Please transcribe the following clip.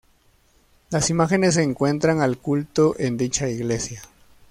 Las imágenes se encuentran al culto en dicha iglesia.